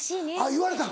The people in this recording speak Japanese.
言われたん？